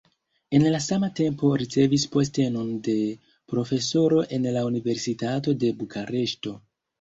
En la sama tempo ricevis postenon de profesoro en la universitato de Bukareŝto.